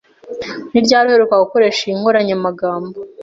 Ni ryari uheruka gukoresha iyi nkoranyamagambo?